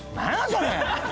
それ！